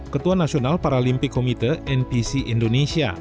ketua nasional paralimpik komite npc indonesia